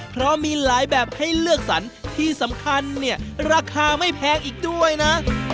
เพราะมีหลายแบบให้เลือกสรรที่สำคัญเนี่ยราคาไม่แพงอีกด้วยนะ